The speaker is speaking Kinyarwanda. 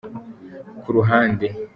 kuruhande.